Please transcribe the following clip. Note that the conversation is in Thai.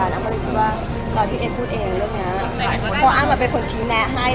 แล้วที่ที่กระเป๋าก็หายเป็นเพราะอะไร